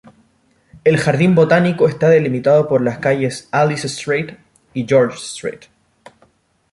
El jardín botánico está delimitado por las calles "Alice Street" y "George Street".